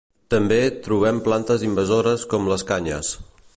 També trobem plantes invasores com les canyes.